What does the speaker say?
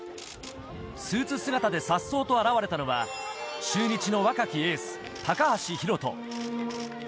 スーツ姿でさっそうと現れたのは中日の若きエース・高橋宏斗。